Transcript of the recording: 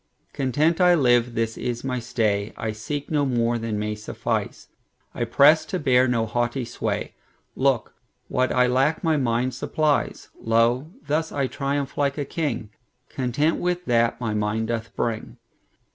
Content I live, this is my stay;I seek no more than may suffice;I press to bear no haughty sway; Look, what I lack my mind supplies. Lo, thus I triumph like a king, Content with that my mind doth bring.